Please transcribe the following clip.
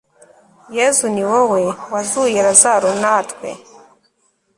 yezu ni wowe wazuye lazaro, natwe